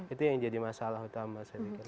itu yang jadi masalah utama saya pikir